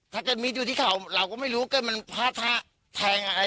ถ้าเกิดมีดอยู่ที่เขาเราก็ไม่รู้เกิดมันพลาดท่าแทงอะไร